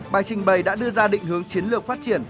bài trình bày đã đưa ra định hướng chiến lược phát triển